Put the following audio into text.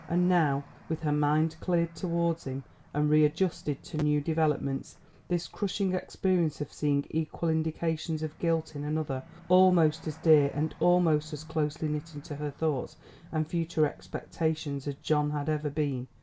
And now, with her mind cleared towards him and readjusted to new developments, this crushing experience of seeing equal indications of guilt in another almost as dear and almost as closely knit into her thoughts and future expectations as John had ever been.